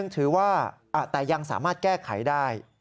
แต่ยังสามารถแก้ไขได้